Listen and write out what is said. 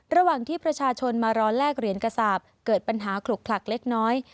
ระหว่างที่ประชาชนมารอแลกเหรียญกระสาปเกิดปัญหาขลุกขลักเล็กน้อย